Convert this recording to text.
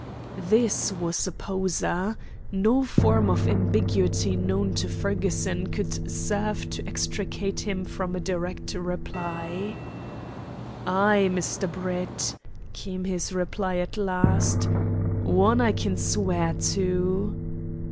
This was a poser. No form of ambiguity known to Fergusson would serve to extricate him from a direct reply. "Ay, Mr. Brett," came his reply at last. "One I can swear to."